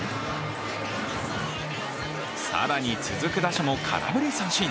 更に、続く打者も空振り三振。